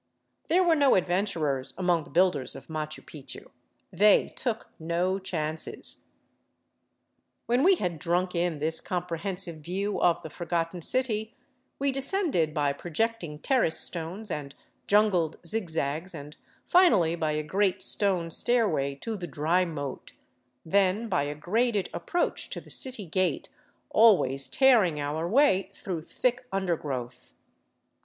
There were no adventurers among the builders of Machu Picchu. They took no chances. When we had drunk in this comprehensive view of the forgotten city, we descended by projecting terrace stones and jungled zigzags and finally by a great stone stairway to the dry moat, then by a graded approach to the city gate, always tearing our way through thick under growth.